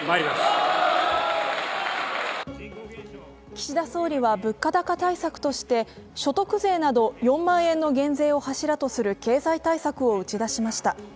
岸田総理は物価高対策として所得税など４万円の減税を柱とする経済対策を打ち出しました。